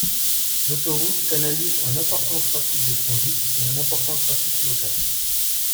L'autoroute canalise un important trafic de transit et un important trafic local.